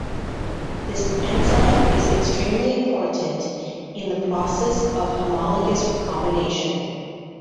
This enzyme is extremely important in the process of homologous recombination.